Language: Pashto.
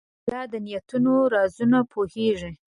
الله د نیتونو رازونه پوهېږي.